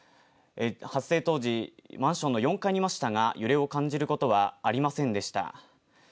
発生当時、マンションの４階にいましたが揺れを感じることはありませんでした。